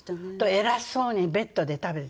偉そうにベッドで食べる。